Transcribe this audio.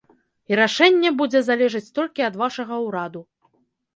І рашэнне будзе залежыць толькі ад вашага ўраду.